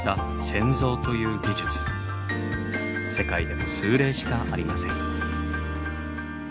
世界でも数例しかありません。